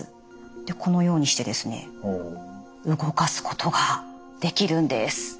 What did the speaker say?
でこのようにしてですね動かすことができるんです。